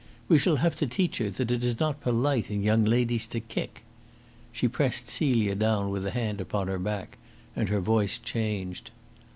"We shall have to teach her that it is not polite in young ladies to kick." She pressed Celia down with a hand upon her back, and her voice changed.